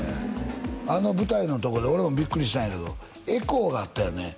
あの舞台のとこで俺もビックリしたんやけどエコーがあったよね